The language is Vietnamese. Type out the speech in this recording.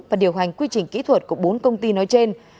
và điều hành quy trình kỹ thuật của bốn công ty nói trên